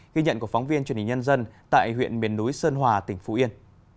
ghi nhận của phóng viên truyền hình nhân dân tại huyện miền núi sơn hòa tỉnh phú yên